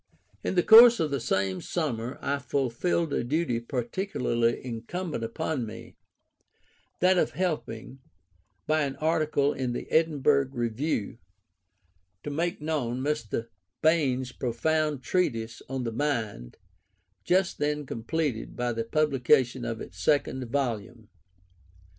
In the course of the same summer I fulfilled a duty particularly incumbent upon me, that of helping (by an article in the Edinburgh Review) to make known Mr. Bain's profound treatise on the Mind, just then completed by the publication of its second volume.